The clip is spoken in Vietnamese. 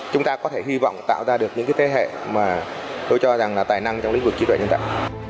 chúng ta có thể hy vọng tạo ra được những thế hệ mà tôi cho rằng là tài năng trong lĩnh vực trí tuệ nhân tạo